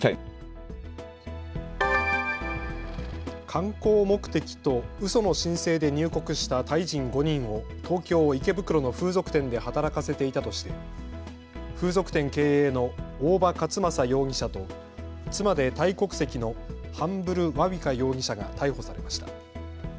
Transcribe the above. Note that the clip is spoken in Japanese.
観光目的とうその申請で入国したタイ人５人を東京池袋の風俗店で働かせていたとして風俗店経営の大場勝成容疑者と妻でタイ国籍のハンブルワウィカ容疑者が逮捕されました。